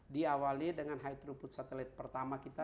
diawali dengan high troput satelit pertama kita